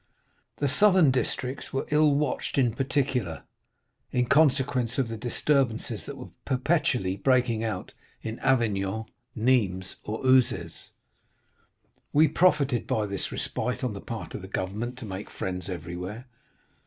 The southern districts were ill watched in particular, in consequence of the disturbances that were perpetually breaking out in Avignon, Nîmes, or Uzès. We profited by this respite on the part of the government to make friends everywhere.